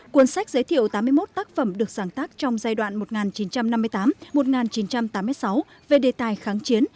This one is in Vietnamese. cuốn sách giới thiệu tám mươi một tác phẩm được sáng tác trong giai đoạn một nghìn chín trăm năm mươi tám một nghìn chín trăm tám mươi sáu về đề tài kháng chiến